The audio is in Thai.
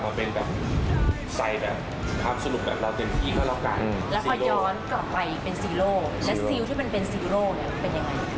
แล้วพอย้อนกลับไปเป็นซีโร่แล้วซีวที่เป็นซีโร่เป็นยังไง